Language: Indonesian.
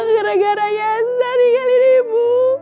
gara gara niasa tinggalin ibu